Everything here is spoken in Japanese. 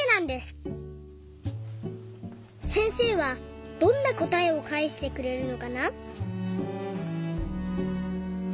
せんせいはどんなこたえをかえしてくれるのかな？